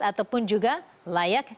ataupun juga layak